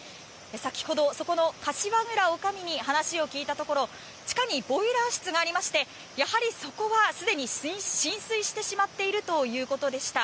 先ほどそこのおかみに話を聞いたところ地下にボイラー室がありましてそこはすでに浸水してしまっているということでした。